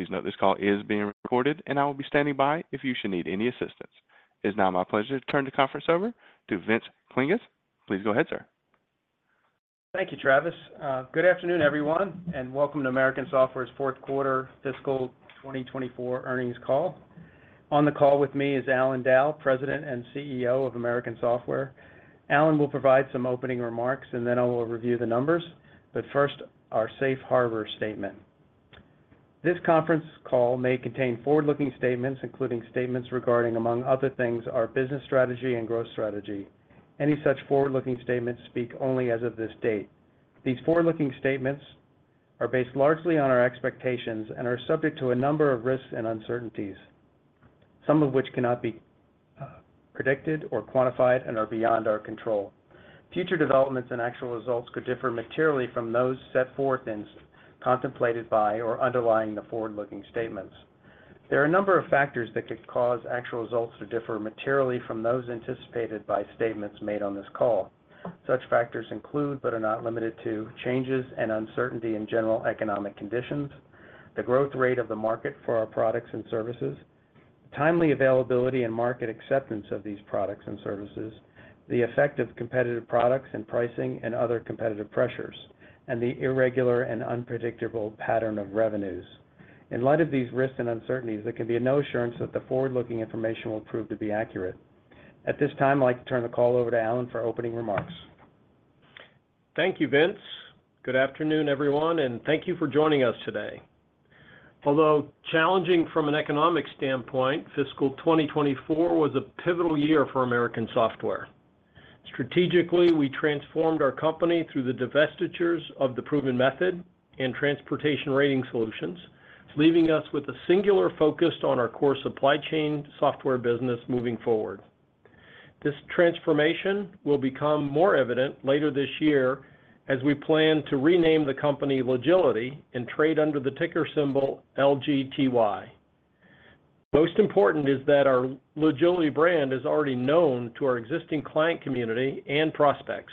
Please note this call is being recorded, and I will be standing by if you should need any assistance. It's now my pleasure to turn the conference over to Vincent Klinges. Please go ahead, sir. Thank you, Travis. Good afternoon, everyone, and welcome to American Software's Q4 Fiscal 2024 Earnings Call. On the call with me is Allan Dow, President and CEO of American Software. Allan will provide some opening remarks, and then I will review the numbers, but first, our safe harbor statement. This conference call may contain forward-looking statements, including statements regarding, among other things, our business strategy and growth strategy. Any such forward-looking statements speak only as of this date. These forward-looking statements are based largely on our expectations and are subject to a number of risks and uncertainties, some of which cannot be predicted or quantified and are beyond our control. Future developments and actual results could differ materially from those set forth and contemplated by or underlying the forward-looking statements. There are a number of factors that could cause actual results to differ materially from those anticipated by statements made on this call. Such factors include, but are not limited to, changes and uncertainty in general economic conditions, the growth rate of the market for our products and services, timely availability and market acceptance of these products and services, the effect of competitive products and pricing and other competitive pressures, and the irregular and unpredictable pattern of revenues. In light of these risks and uncertainties, there can be no assurance that the forward-looking information will prove to be accurate. At this time, I'd like to turn the call over to Allan for opening remarks. Thank you, Vince. Good afternoon, everyone, and thank you for joining us today. Although challenging from an economic standpoint, fiscal 2024 was a pivotal year for American Software. Strategically, we transformed our company through the divestitures of The Proven Method and Transportation Rating Solutions, leaving us with a singular focus on our core supply chain software business moving forward. This transformation will become more evident later this year as we plan to rename the company Logility and trade under the ticker symbol LGTY. Most important is that our Logility brand is already known to our existing client community and prospects.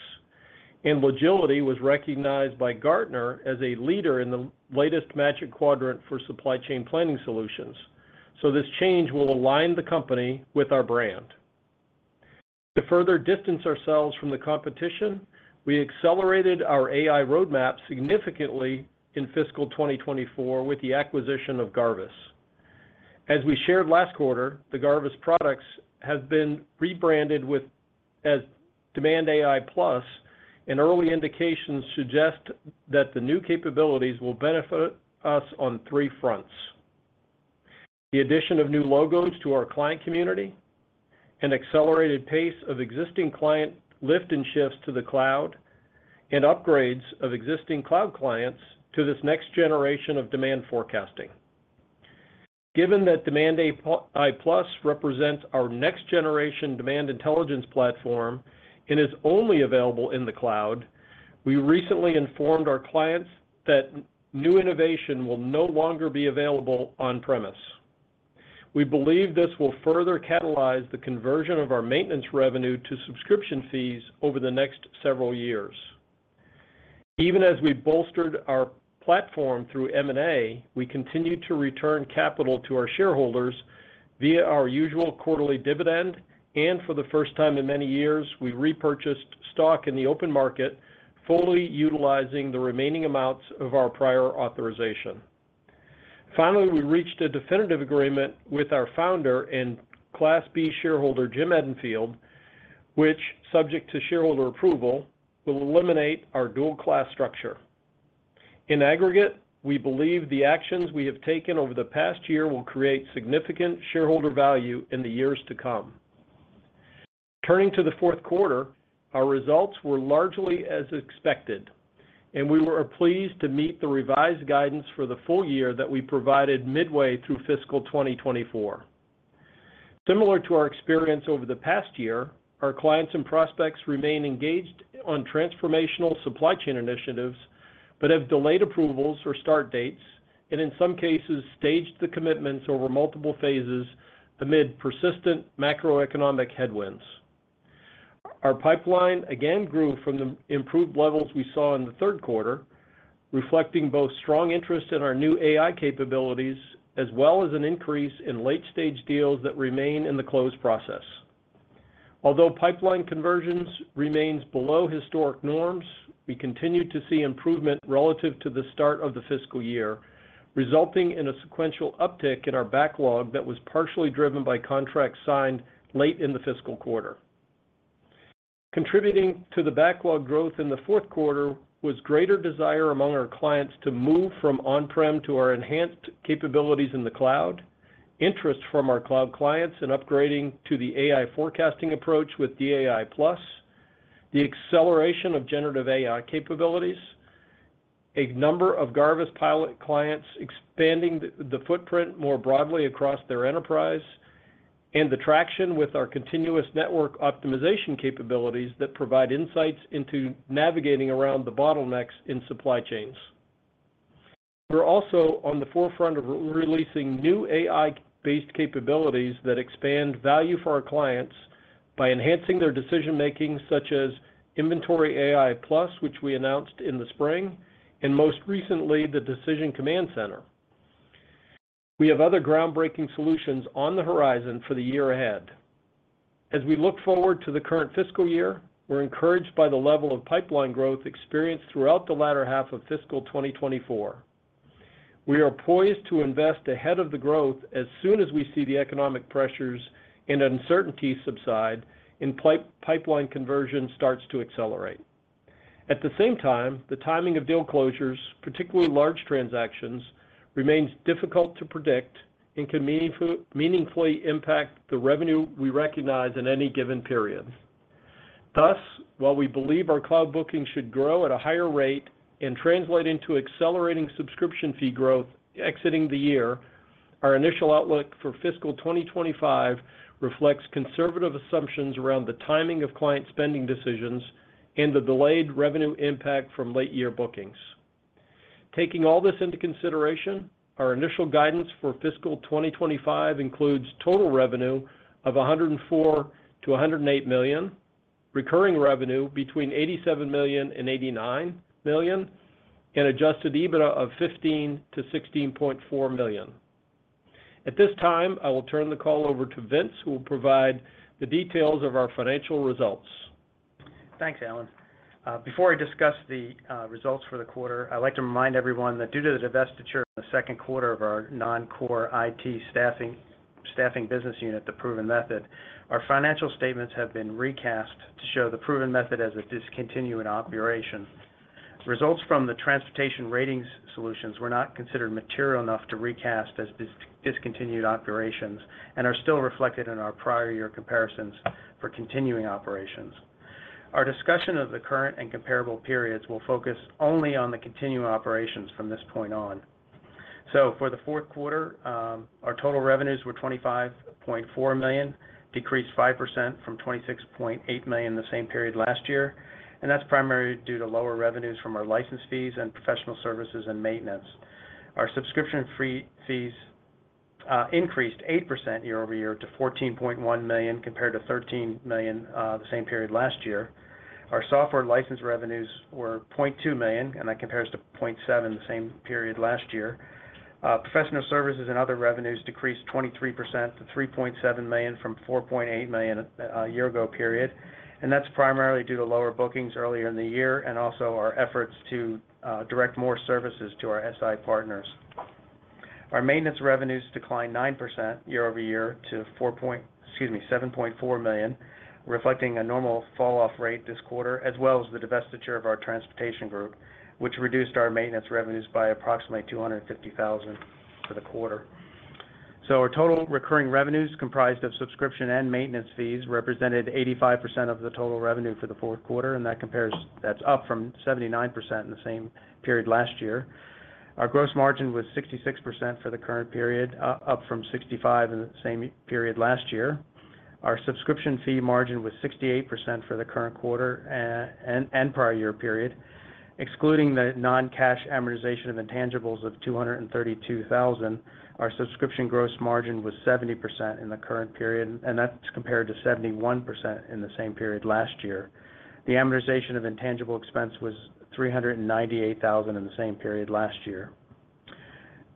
Logility was recognized by Gartner as a leader in the latest Magic Quadrant for Supply Chain Planning Solutions. This change will align the company with our brand. To further distance ourselves from the competition, we accelerated our AI roadmap significantly in fiscal 2024 with the acquisition of Garvis. As we shared last quarter, the Garvis products have been rebranded as DemandAI+, and early indications suggest that the new capabilities will benefit us on three fronts: the addition of new logos to our client community, an accelerated pace of existing client lift and shifts to the cloud, and upgrades of existing cloud clients to this next generation of demand forecasting. Given that DemandAI+ represents our next generation demand intelligence platform and is only available in the cloud, we recently informed our clients that new innovation will no longer be available on-premise. We believe this will further catalyze the conversion of our maintenance revenue to subscription fees over the next several years. Even as we bolstered our platform through M&A, we continued to return capital to our shareholders via our usual quarterly dividend, and for the first time in many years, we repurchased stock in the open market, fully utilizing the remaining amounts of our prior authorization. Finally, we reached a definitive agreement with our founder and Class B shareholder, Jim Edenfield, which, subject to shareholder approval, will eliminate our dual-class structure. In aggregate, we believe the actions we have taken over the past year will create significant shareholder value in the years to come. Turning to the Q4, our results were largely as expected, and we were pleased to meet the revised guidance for the full year that we provided midway through fiscal 2024. Similar to our experience over the past year, our clients and prospects remain engaged on transformational supply chain initiatives, but have delayed approvals for start dates, and in some cases, staged the commitments over multiple phases amid persistent macroeconomic headwinds. Our pipeline again grew from the improved levels we saw in the Q3, reflecting both strong interest in our new AI capabilities, as well as an increase in late-stage deals that remain in the close process. Although pipeline conversions remains below historic norms, we continued to see improvement relative to the start of the fiscal year, resulting in a sequential uptick in our backlog that was partially driven by contracts signed late in the fiscal quarter. Contributing to the backlog growth in the Q4 was greater desire among our clients to move from on-prem to our enhanced capabilities in the cloud, interest from our cloud clients in upgrading to the AI forecasting approach with DemandAI+, the acceleration of generative AI capabilities, a number of Garvis pilot clients expanding the footprint more broadly across their enterprise, and the traction with our continuous network optimization capabilities that provide insights into navigating around the bottlenecks in supply chains. We're also on the forefront of releasing new AI-based capabilities that expand value for our clients by enhancing their decision-making, such as InventoryAI+, which we announced in the spring, and most recently, the Decision Command Center. We have other groundbreaking solutions on the horizon for the year ahead. As we look forward to the current fiscal year, we're encouraged by the level of pipeline growth experienced throughout the latter half of fiscal 2024. We are poised to invest ahead of the growth as soon as we see the economic pressures and uncertainty subside and pipeline conversion starts to accelerate. At the same time, the timing of deal closures, particularly large transactions, remains difficult to predict and can meaningfully impact the revenue we recognize in any given period. Thus, while we believe our cloud bookings should grow at a higher rate and translate into accelerating subscription fee growth exiting the year, our initial outlook for fiscal 2025 reflects conservative assumptions around the timing of client spending decisions and the delayed revenue impact from late year bookings. Taking all this into consideration, our initial guidance for fiscal 2025 includes total revenue of $104 million-$108 million, recurring revenue between $87 million and $89 million, and Adjusted EBITDA of $15 million-$16.4 million. At this time, I will turn the call over to Vince, who will provide the details of our financial results. Thanks, Allan. Before I discuss the results for the quarter, I'd like to remind everyone that due to the divestiture in the Q2 of our non-core IT staffing business unit, The Proven Method, our financial statements have been recast to show The Proven Method as a discontinued operation. Results from the Transportation Ratings Solutions were not considered material enough to recast as discontinued operations and are still reflected in our prior year comparisons for continuing operations. Our discussion of the current and comparable periods will focus only on the continuing operations from this point on. For the Q4, our total revenues were $25.4 million, decreased 5% from $26.8 million in the same period last year, and that's primarily due to lower revenues from our license fees and professional services and maintenance. Our subscription fee, fees, increased 8% year-over-year to $14.1 million, compared to $13 million the same period last year. Our software license revenues were $0.2 million, and that compares to $0.7 million the same period last year. Professional services and other revenues decreased 23% to $3.7 million from $4.8 million a year ago period. And that's primarily due to lower bookings earlier in the year and also our efforts to direct more services to our SI partners. Our maintenance revenues declined 9% year-over-year to-- excuse me, $7.4 million, reflecting a normal falloff rate this quarter, as well as the divestiture of our transportation group, which reduced our maintenance revenues by approximately $250,000 for the quarter. So our total recurring revenues, comprised of subscription and maintenance fees, represented 85% of the total revenue for the Q4, and that compares—that's up from 79% in the same period last year. Our gross margin was 66% for the current period, up from 65% in the same period last year. Our subscription fee margin was 68% for the current quarter, and prior year period. Excluding the non-cash amortization of intangibles of $232,000, our subscription gross margin was 70% in the current period, and that's compared to 71% in the same period last year. The amortization of intangible expense was $398,000 in the same period last year.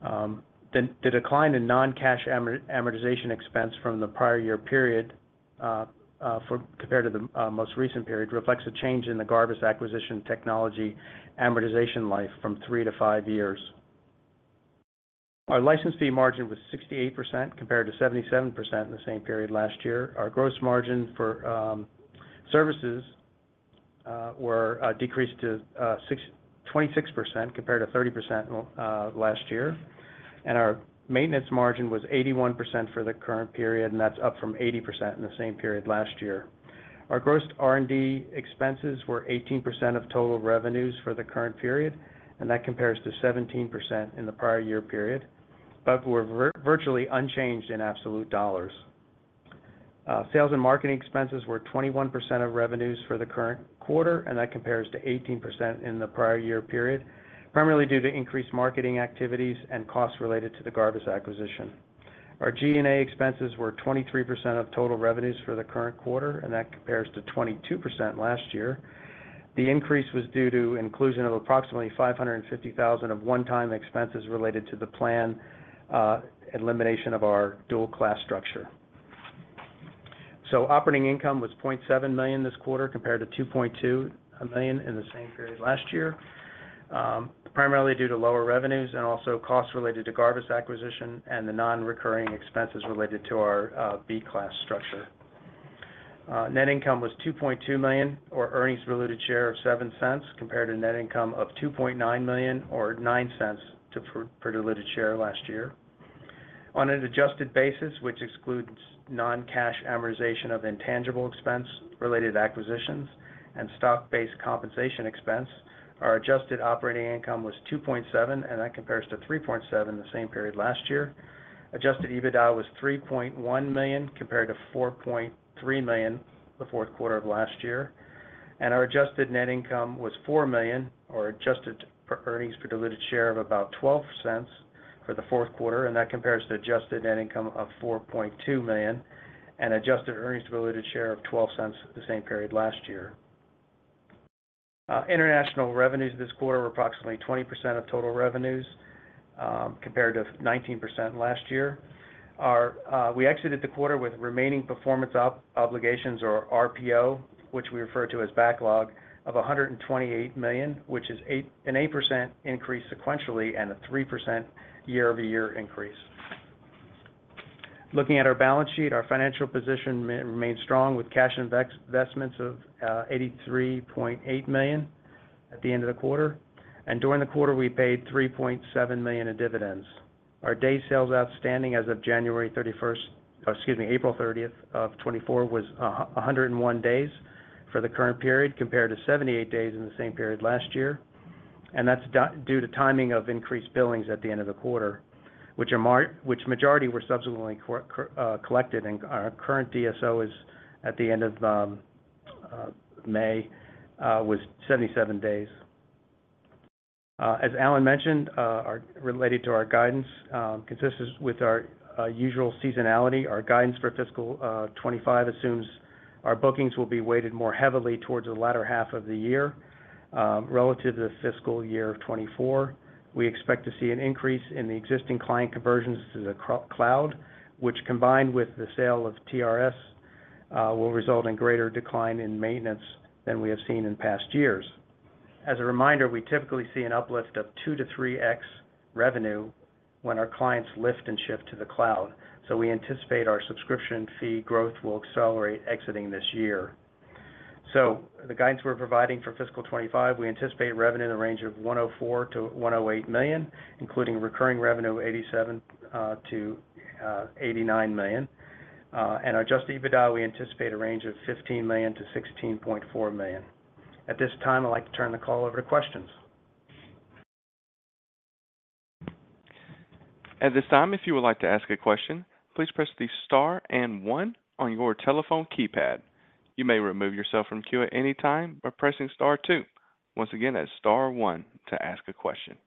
The decline in non-cash amortization expense from the prior year period compared to the most recent period reflects a change in the Garvis acquisition technology amortization life from three to five years. Our license fee margin was 68%, compared to 77% in the same period last year. Our gross margin for services were decreased to 26%, compared to 30% last year. Our maintenance margin was 81% for the current period, and that's up from 80% in the same period last year. Our gross R&D expenses were 18% of total revenues for the current period, and that compares to 17% in the prior year period, but were virtually unchanged in absolute dollars. Sales and marketing expenses were 21% of revenues for the current quarter, and that compares to 18% in the prior year period, primarily due to increased marketing activities and costs related to the Garvis acquisition. Our G&A expenses were 23% of total revenues for the current quarter, and that compares to 22% last year. The increase was due to inclusion of approximately $550,000 of one-time expenses related to the planned elimination of our dual-class structure. So operating income was $0.7 million this quarter, compared to $2.2 million in the same period last year, primarily due to lower revenues and also costs related to Garvis acquisition and the non-recurring expenses related to our Class B structure. Net income was $2.2 million, or earnings per diluted share of $0.07, compared to net income of $2.9 million, or nine cents per diluted share last year. On an adjusted basis, which excludes non-cash amortization of intangible expense related acquisitions and stock-based compensation expense, our adjusted operating income was 2.7, and that compares to 3.7 the same period last year. Adjusted EBITDA was $3.1 million, compared to $4.3 million the Q4 of last year. Our adjusted net income was $4 million, or adjusted per earnings per diluted share of about $0.12.... for the Q4, and that compares to adjusted net income of $4.2 million, and adjusted earnings per diluted share of $0.12 the same period last year. International revenues this quarter were approximately 20% of total revenues, compared to 19% last year. Our we exited the quarter with remaining performance obligations, or RPO, which we refer to as backlog, of $128 million, which is an 8% increase sequentially, and a 3% year-over-year increase. Looking at our balance sheet, our financial position remains strong, with cash and investments of $83.8 million at the end of the quarter. And during the quarter, we paid $3.7 million in dividends. Our days sales outstanding as of January thirty-first, or excuse me, April thirtieth of 2024, was 101 days for the current period, compared to 78 days in the same period last year. And that's due to timing of increased billings at the end of the quarter, which majority were subsequently collected, and our current DSO is, at the end of May, was 77 days. As Allan mentioned, our related to our guidance, consistent with our usual seasonality, our guidance for fiscal 2025 assumes our bookings will be weighted more heavily towards the latter half of the year, relative to fiscal year of 2024. We expect to see an increase in the existing client conversions to the cloud, which, combined with the sale of TRS, will result in greater decline in maintenance than we have seen in past years. As a reminder, we typically see an uplift of two to three x revenue when our clients lift and shift to the cloud, so we anticipate our subscription fee growth will accelerate exiting this year. So the guidance we're providing for fiscal 2025, we anticipate revenue in the range of $104 million-$108 million, including recurring revenue, $87 million-$89 million. And our adjusted EBITDA, we anticipate a range of $15 million-$16.4 million. At this time, I'd like to turn the call over to questions. At this time, if you would like to ask a question, please press the star and one on your telephone keypad. You may remove yourself from queue at any time by pressing star two. Once again, that's star one to ask a question.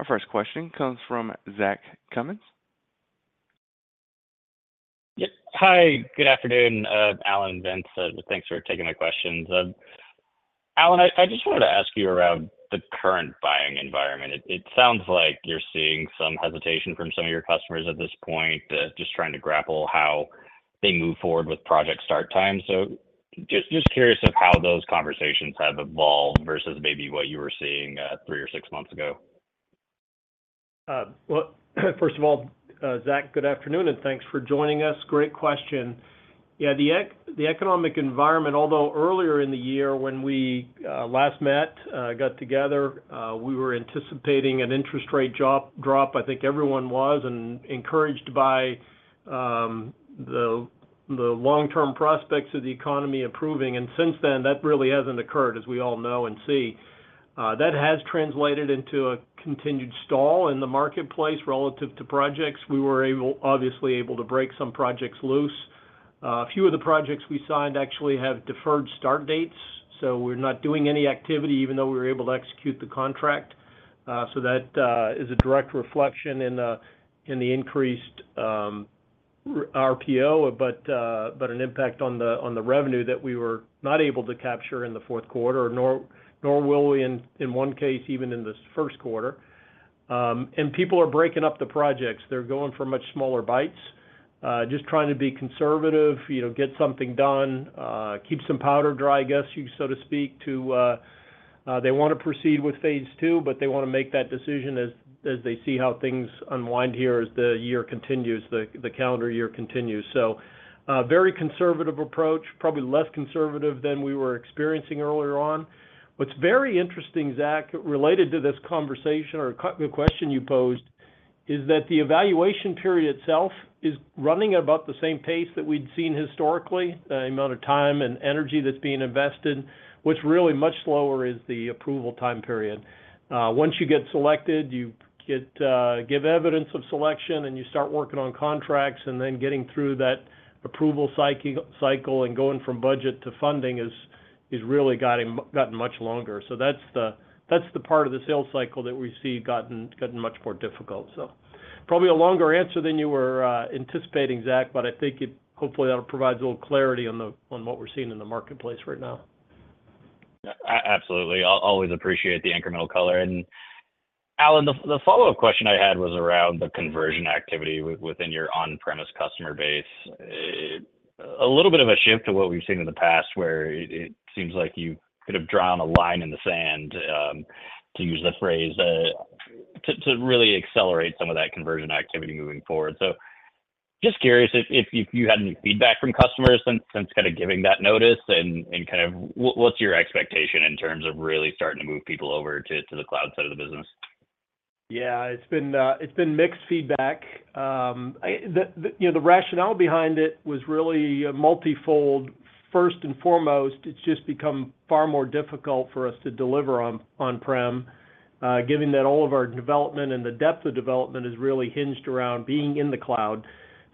Our first question comes from Zach Cummins. Yep. Hi, good afternoon, Allan and Vince. Thanks for taking the questions. Allan, I just wanted to ask you around the current buying environment. It sounds like you're seeing some hesitation from some of your customers at this point, just trying to grapple how they move forward with project start time. So just curious of how those conversations have evolved versus maybe what you were seeing, three or six months ago. Well, first of all, Zach, good afternoon, and thanks for joining us. Great question. Yeah, the economic environment, although earlier in the year when we last met, got together, we were anticipating an interest rate drop. I think everyone was and encouraged by the long-term prospects of the economy improving, and since then, that really hasn't occurred, as we all know and see. That has translated into a continued stall in the marketplace relative to projects. We were obviously able to break some projects loose. A few of the projects we signed actually have deferred start dates, so we're not doing any activity even though we were able to execute the contract. So that is a direct reflection in the increased RPO, but an impact on the revenue that we were not able to capture in the Q4, nor will we in one case even in this Q1. And people are breaking up the projects. They're going for much smaller bites, just trying to be conservative, you know, get something done, keep some powder dry, I guess you, so to speak, to... They wanna proceed with Phase II, but they wanna make that decision as they see how things unwind here as the year continues, the calendar year continues. So, very conservative approach, probably less conservative than we were experiencing earlier on. What's very interesting, Zach, related to this conversation or the question you posed, is that the evaluation period itself is running about the same pace that we'd seen historically, the amount of time and energy that's being invested. What's really much slower is the approval time period. Once you get selected, you get, give evidence of selection and you start working on contracts, and then getting through that approval cycle and going from budget to funding is really gotten much longer. So that's the part of the sales cycle that we see gotten much more difficult, so. Probably a longer answer than you were anticipating, Zach, but I think it hopefully that provides a little clarity on what we're seeing in the marketplace right now. Absolutely. I'll always appreciate the incremental color. And Allan, the follow-up question I had was around the conversion activity within your on-premise customer base. A little bit of a shift to what we've seen in the past, where it seems like you could have drawn a line in the sand, to use the phrase, to really accelerate some of that conversion activity moving forward. So just curious if you had any feedback from customers since kind of giving that notice, and kind of what's your expectation in terms of really starting to move people over to the cloud side of the business? Yeah. It's been, it's been mixed feedback. The, the, you know, the rationale behind it was really multifold. First and foremost, it's just become far more difficult for us to deliver on on-prem, given that all of our development and the depth of development is really hinged around being in the cloud.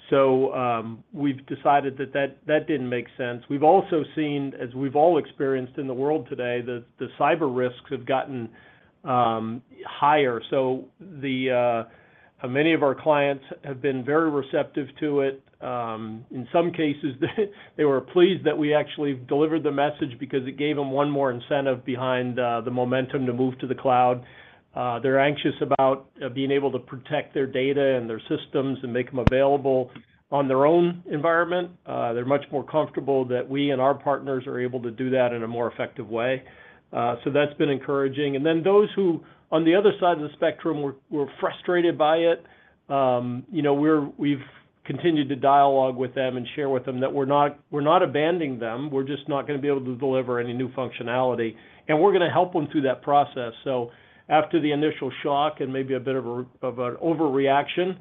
So, we've decided that that didn't make sense. We've also seen, as we've all experienced in the world today, the cyber risks have gotten higher. So, many of our clients have been very receptive to it. In some cases, they were pleased that we actually delivered the message because it gave them one more incentive behind the momentum to move to the cloud. They're anxious about being able to protect their data and their systems and make them available on their own environment. They're much more comfortable that we and our partners are able to do that in a more effective way. So that's been encouraging. And then those who, on the other side of the spectrum, were frustrated by it, you know, we've continued to dialogue with them and share with them that we're not, we're not abandoning them, we're just not gonna be able to deliver any new functionality. And we're gonna help them through that process. So after the initial shock and maybe a bit of an overreaction,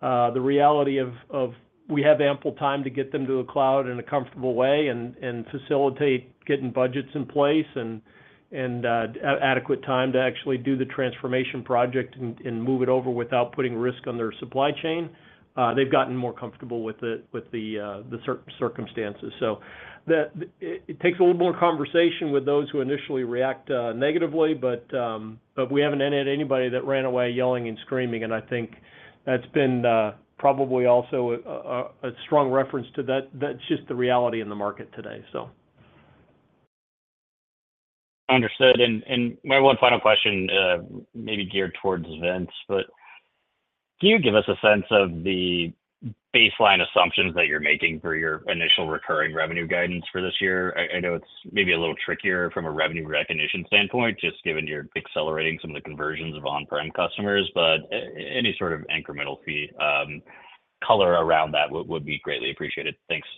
the reality of we have ample time to get them to the cloud in a comfortable way and facilitate getting budgets in place and adequate time to actually do the transformation project and move it over without putting risk on their supply chain. They've gotten more comfortable with the circumstances. So it takes a little more conversation with those who initially react negatively, but but we haven't had anybody that ran away yelling and screaming, and I think that's been probably also a strong reference to that. That's just the reality in the market today, so. Understood. And my one final question may be geared towards Vince, but can you give us a sense of the baseline assumptions that you're making for your initial recurring revenue guidance for this year? I know it's maybe a little trickier from a revenue recognition standpoint, just given you're accelerating some of the conversions of on-prem customers, but any sort of incremental fee color around that would be greatly appreciated. Thanks.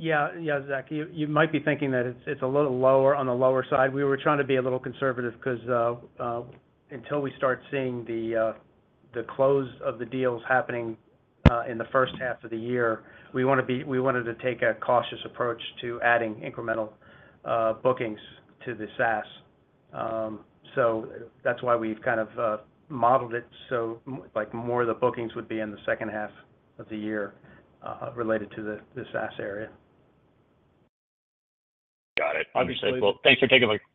Yeah, yeah, Zach, you might be thinking that it's a little lower, on the lower side. We were trying to be a little conservative 'cause until we start seeing the close of the deals happening in the first half of the year, we wanna be—we wanted to take a cautious approach to adding incremental bookings to the SaaS. So that's why we've kind of modeled it. So like, more of the bookings would be in the second half of the year related to the SaaS area. Got it. Obviously- And- Well, thanks for taking my... Yeah. Yeah,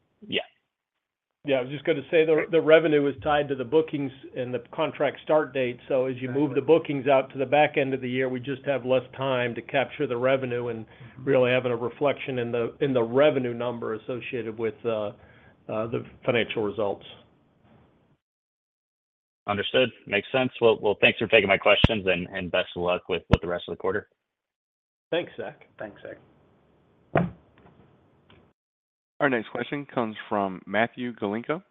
I was just gonna say, the revenue is tied to the bookings and the contract start date. So as you move the bookings out to the back end of the year, we just have less time to capture the revenue and really having a reflection in the revenue number associated with the financial results. Understood. Makes sense. Well, well, thanks for taking my questions, and, and best of luck with, with the rest of the quarter. Thanks, Zach. Thanks, Zach. Our next question comes from Matthew Galinko.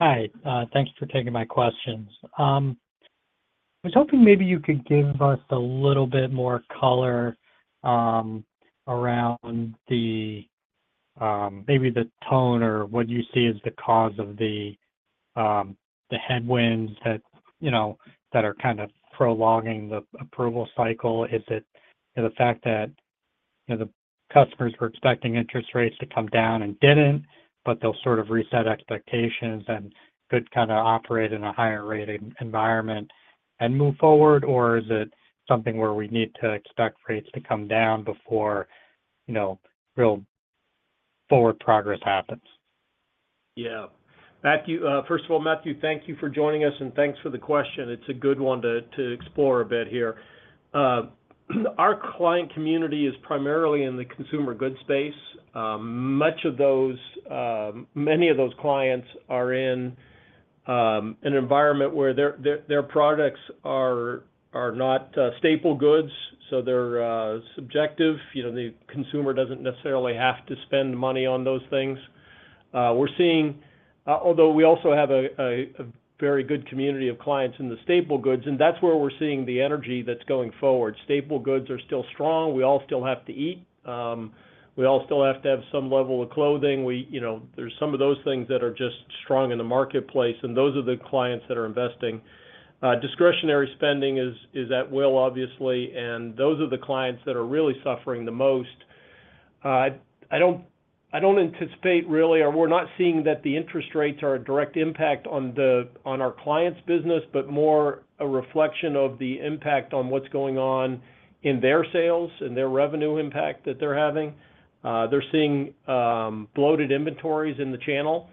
Hi, thanks for taking my questions. I was hoping maybe you could give us a little bit more color around the maybe the tone or what you see as the cause of the the headwinds that, you know, that are kind of prolonging the approval cycle. Is it the fact that, you know, the customers were expecting interest rates to come down and didn't, but they'll sort of reset expectations and could kind of operate in a higher rate environment and move forward? Or is it something where we need to expect rates to come down before, you know, real forward progress happens? Yeah. Matthew, first of all, Matthew, thank you for joining us, and thanks for the question. It's a good one to explore a bit here. Our client community is primarily in the consumer goods space. Many of those clients are in an environment where their products are not staple goods, so they're subjective. You know, the consumer doesn't necessarily have to spend money on those things. We're seeing, although we also have a very good community of clients in the staple goods, and that's where we're seeing the energy that's going forward. Staple goods are still strong. We all still have to eat. We all still have to have some level of clothing. We, you know, there's some of those things that are just strong in the marketplace, and those are the clients that are investing. Discretionary spending is at will, obviously, and those are the clients that are really suffering the most. I don't anticipate really, or we're not seeing that the interest rates are a direct impact on our clients' business, but more a reflection of the impact on what's going on in their sales and their revenue impact that they're having. They're seeing bloated inventories in the channel,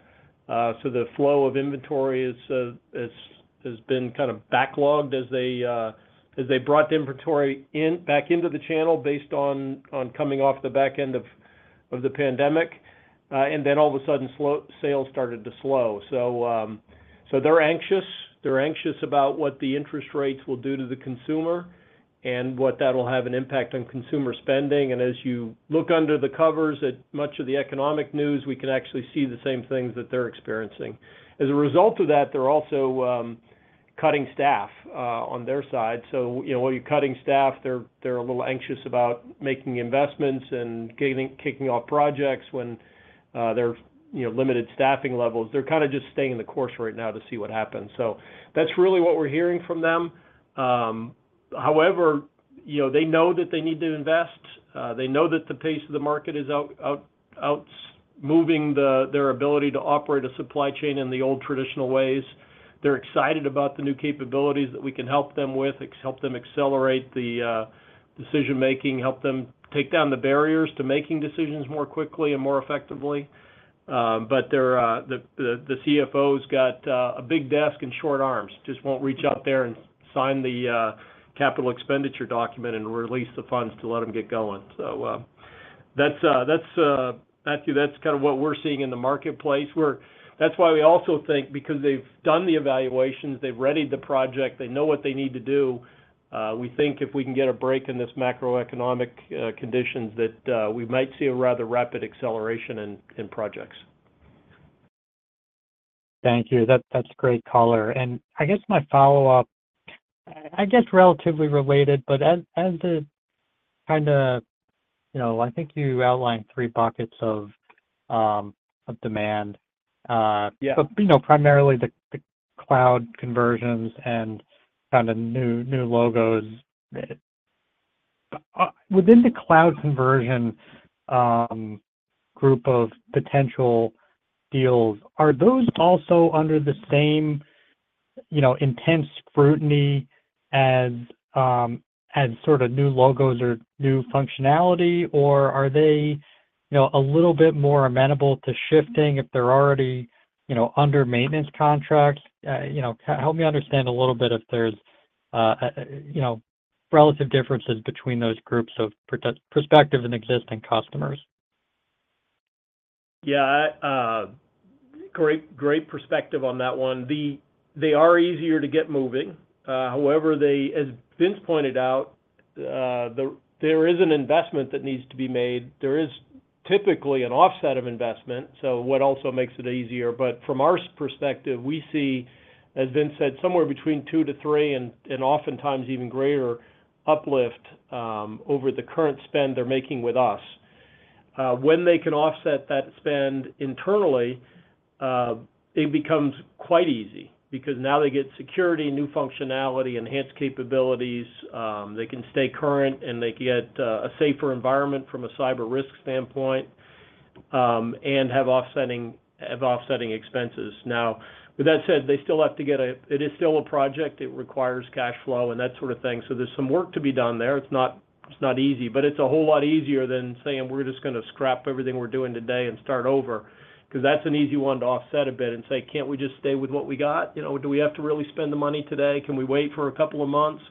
so the flow of inventory has been kind of backlogged as they brought inventory in, back into the channel based on coming off the back end of the pandemic, and then all of a sudden, sales started to slow. So, they're anxious. They're anxious about what the interest rates will do to the consumer and what that will have an impact on consumer spending. As you look under the covers at much of the economic news, we can actually see the same things that they're experiencing. As a result of that, they're also cutting staff on their side. You know, when you're cutting staff, they're a little anxious about making investments and kicking off projects when there's limited staffing levels. They're kind of just staying the course right now to see what happens. That's really what we're hearing from them. However, you know, they know that they need to invest. They know that the pace of the market is outpacing their ability to operate a supply chain in the old traditional ways. They're excited about the new capabilities that we can help them with, help them accelerate the decision making, help them take down the barriers to making decisions more quickly and more effectively. But the CFO's got a big desk and short arms, just won't reach out there and sign the capital expenditure document and release the funds to let them get going. So, that's Matthew, that's kind of what we're seeing in the marketplace. That's why we also think because they've done the evaluations, they've readied the project, they know what they need to do, we think if we can get a break in this macroeconomic conditions, that we might see a rather rapid acceleration in projects. Thank you. That, that's great color. I guess my follow-up, I guess, relatively related, but as the kinda, you know, I think you outlined three buckets of demand, Yeah. But, you know, primarily the cloud conversions and kind of new, new logos. Within the cloud conversion group of potential deals, are those also under the same, you know, intense scrutiny as, as sort of new logos or new functionality? Or are they, you know, a little bit more amenable to shifting if they're already, you know, under maintenance contracts? You know, help me understand a little bit if there's, you know, relative differences between those groups of prospective and existing customers. Yeah, I, great, great perspective on that one. They are easier to get moving, however, they, as Vince pointed out, there is an investment that needs to be made. There is typically an offset of investment, so what also makes it easier. But from our perspective, we see, as Vince said, somewhere between two to three and oftentimes even greater uplift over the current spend they're making with us. When they can offset that spend internally, it becomes quite easy because now they get security, new functionality, enhanced capabilities, they can stay current, and they get a safer environment from a cyber risk standpoint, and have offsetting expenses. Now, with that said, they still have to get a it is still a project. It requires cash flow and that sort of thing, so there's some work to be done there. It's not, it's not easy, but it's a whole lot easier than saying, "We're just gonna scrap everything we're doing today and start over." 'Cause that's an easy one to offset a bit and say, "Can't we just stay with what we got? You know, do we have to really spend the money today? Can we wait for a couple of months?"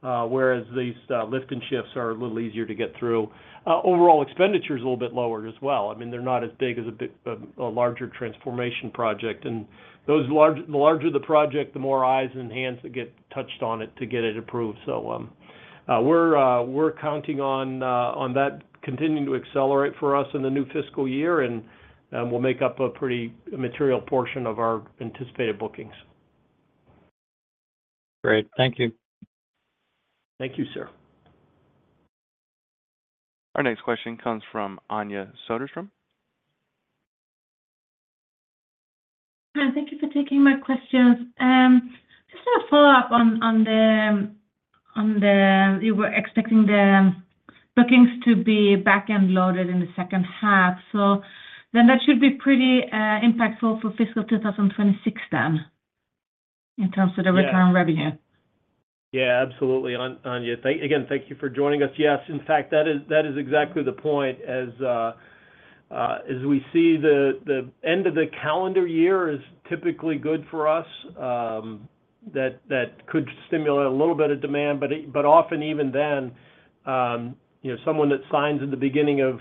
Whereas these lift and shifts are a little easier to get through. Overall expenditure is a little bit lower as well. I mean, they're not as big as a bit, a larger transformation project. And those large, the larger the project, the more eyes and hands that get touched on it to get it approved. We're counting on that continuing to accelerate for us in the new fiscal year, and we'll make up a pretty material portion of our anticipated bookings. Great. Thank you. Thank you, sir. Our next question comes from Anja Soderstrom. Hi, thank you for taking my questions. Just a follow-up on the... You were expecting the bookings to be back-end loaded in the second half, so then that should be pretty impactful for fiscal 2026 then, in terms of the- Yeah -recurring revenue. Yeah, absolutely, Anja. Again, thank you for joining us. Yes, in fact, that is exactly the point. As we see the end of the calendar year is typically good for us, that could stimulate a little bit of demand. But often even then, you know, someone that signs at the beginning of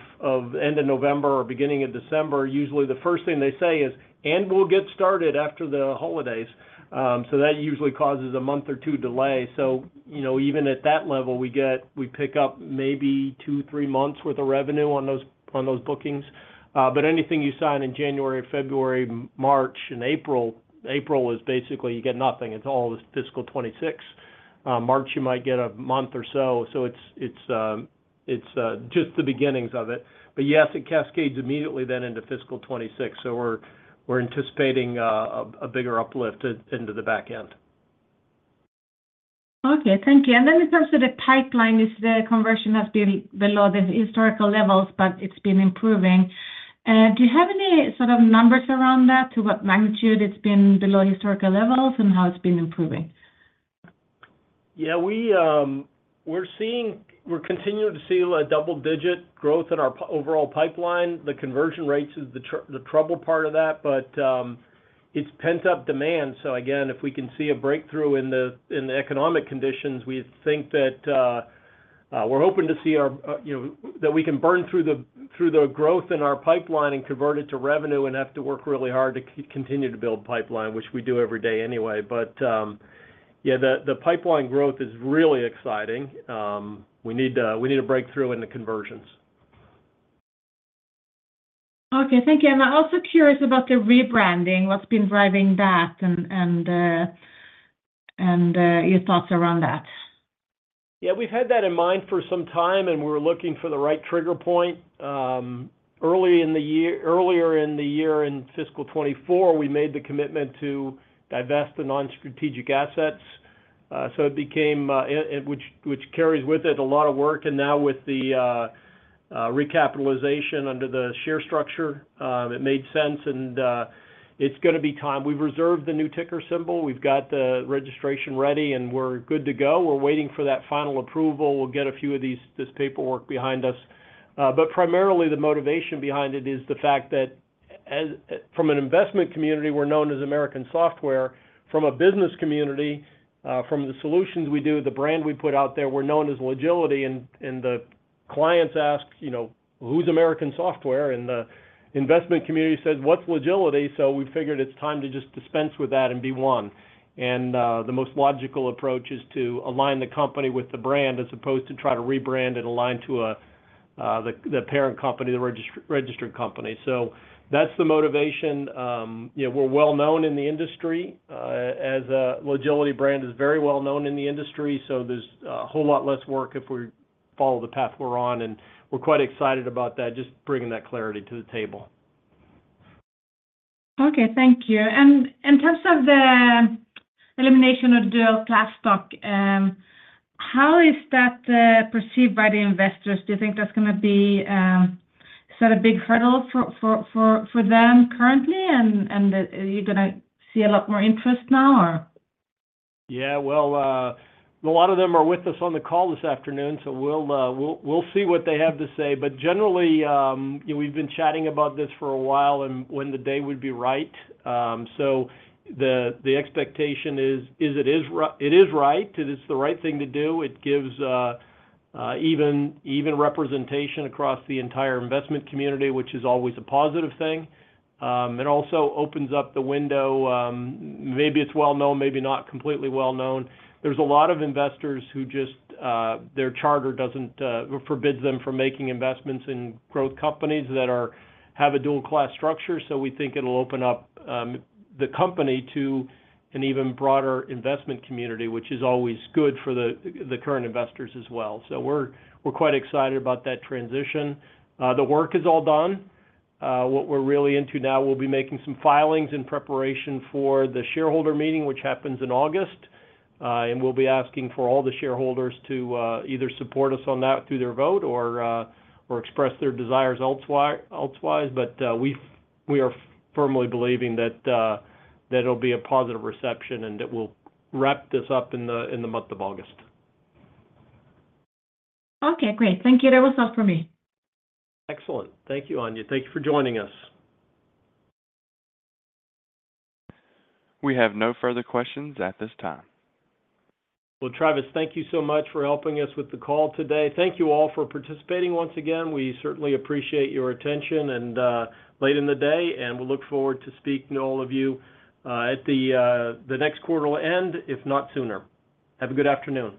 the end of November or beginning of December, usually the first thing they say is, "And we'll get started after the holidays." So that usually causes a month or two delay. So, you know, even at that level, we pick up maybe two, three months worth of revenue on those bookings. But anything you sign in January, February, March, and April is basically you get nothing. It's all fiscal 26. March, you might get a month or so, so it's just the beginnings of it. But yes, it cascades immediately then into fiscal 2026, so we're anticipating a bigger uplift into the back end. Okay, thank you. And then in terms of the pipeline, is the conversion has been below the historical levels, but it's been improving. Do you have any sort of numbers around that, to what magnitude it's been below historical levels and how it's been improving? Yeah, we're seeing. We're continuing to see a double-digit growth in our overall pipeline. The conversion rates is the trouble part of that, but it's pent-up demand. So again, if we can see a breakthrough in the economic conditions, we think that we're hoping to see our, you know, that we can burn through the growth in our pipeline and convert it to revenue and have to work really hard to continue to build pipeline, which we do every day anyway. But yeah, the pipeline growth is really exciting. We need a breakthrough in the conversions. Okay, thank you. And I'm also curious about the rebranding, what's been driving that, and your thoughts around that?... Yeah, we've had that in mind for some time, and we're looking for the right trigger point. Early in the year, earlier in the year, in fiscal 2024, we made the commitment to divest the non-strategic assets. So it became, which carries with it a lot of work, and now with the recapitalization under the share structure, it made sense, and it's gonna be time. We've reserved the new ticker symbol. We've got the registration ready, and we're good to go. We're waiting for that final approval. We'll get a few of these, this paperwork behind us. But primarily, the motivation behind it is the fact that as, from an investment community, we're known as American Software. From a business community, from the solutions we do, the brand we put out there, we're known as Logility. The clients ask, you know, "Who's American Software?" And the investment community says, "What's Logility?" So we figured it's time to just dispense with that and be one. And the most logical approach is to align the company with the brand, as opposed to try to rebrand and align to the parent company, the registered company. So that's the motivation. You know, we're well known in the industry, as a Logility brand is very well known in the industry, so there's a whole lot less work if we follow the path we're on, and we're quite excited about that, just bringing that clarity to the table. Okay, thank you. And in terms of the elimination of the class stock, how is that perceived by the investors? Do you think that's gonna be... Is that a big hurdle for them currently? And are you gonna see a lot more interest now or? Yeah, well, a lot of them are with us on the call this afternoon, so we'll see what they have to say. But generally, you know, we've been chatting about this for a while and when the day would be right. So the expectation is, it is right, it is the right thing to do. It gives even representation across the entire investment community, which is always a positive thing. It also opens up the window, maybe it's well known, maybe not completely well known. There's a lot of investors who just, their charter doesn't, forbids them from making investments in growth companies that have a dual class structure, so we think it'll open up, the company to an even broader investment community, which is always good for the current investors as well. So we're quite excited about that transition. The work is all done. What we're really into now, we'll be making some filings in preparation for the shareholder meeting, which happens in August. And we'll be asking for all the shareholders to either support us on that through their vote or express their desires elsewise. But we are firmly believing that it'll be a positive reception and that we'll wrap this up in the month of August. Okay, great. Thank you. That was all for me. Excellent. Thank you, Anja. Thank you for joining us. We have no further questions at this time. Well, Travis, thank you so much for helping us with the call today. Thank you all for participating once again. We certainly appreciate your attention, and late in the day, and we look forward to speaking to all of you at the next quarter end, if not sooner. Have a good afternoon.